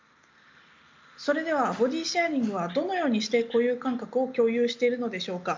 それではボディシェアリングはどのようにして固有感覚を共有しているのでしょうか。